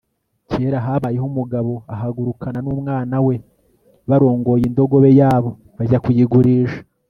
kera habayeho umugabo ahagurukana n'umwana we barongoye indogobe yabo bajya kuyigurisha